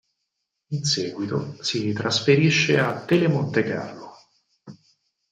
In seguito si trasferisce a Telemontecarlo.